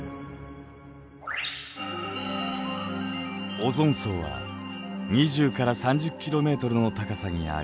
オゾン層は２０から３０ｋｍの高さにあり